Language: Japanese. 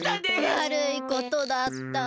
わるいことだった。